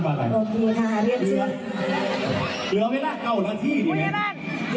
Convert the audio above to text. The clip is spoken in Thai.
พูดอย่างนั้นพูดอย่างนั้นตอนนี้คำสั่งมาให้เลิกสี่โมงตก